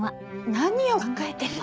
何を考えてるの？